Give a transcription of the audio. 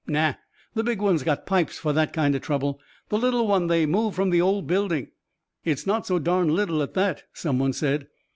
"Naw. The big one's got pipes for that kinda trouble. The little one they moved from the old building." "It's not so darn little at that," someone said.